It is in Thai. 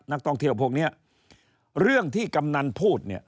นักท่องเที่ยวพวกเนี้ยเรื่องที่กำนันพูดเนี่ย